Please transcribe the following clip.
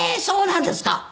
そうなんですか？